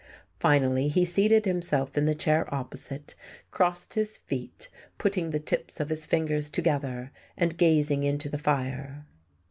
Finally he seated himself in the chair opposite, crossed his feet, putting the tips of his fingers together and gazing into the fire.